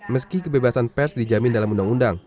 meski kebebasan pers dijamin dalam undang undang